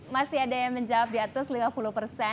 masih ada yang menjawab di atas lima puluh persen